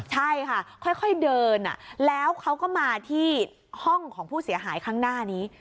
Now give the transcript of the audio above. ใช่ค่ะค่อยเดินแล้วเขาก็มาที่ห้องของผู้เสียหายข้างหน้านี้